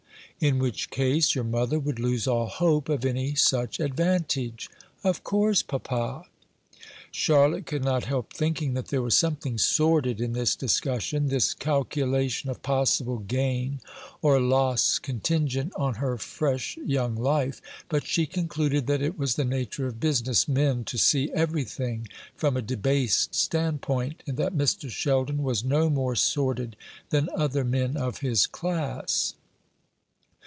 "In which case your mother would lose all hope of any such advantage." "Of course, papa." Charlotte could not help thinking that there was something sordid in this discussion this calculation of possible gain or loss contingent on her fresh young life. But she concluded that it was the nature of business men to see everything from a debased standpoint, and that Mr. Sheldon was no more sordid than other men of his class.